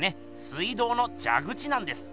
水道のじゃ口なんです。